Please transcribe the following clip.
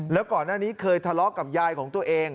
แล้วก่อนหน้านี้เคยทะเลาะกับยายของตัวเอง